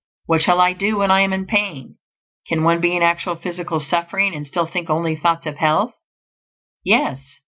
What shall I do when I am in pain? Can one be in actual physical suffering and still think only thoughts of health? Yes.